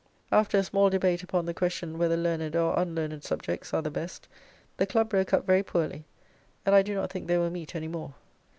After a small debate upon the question whether learned or unlearned subjects are the best the Club broke up very poorly, and I do not think they will meet any more.